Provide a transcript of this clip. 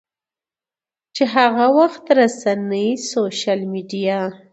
چې هغه وخت رسنۍ، سوشل میډیا